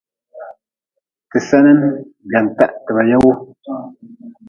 Ti senin gwantah ti ba ye wu.